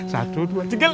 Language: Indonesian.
satu dua jengkel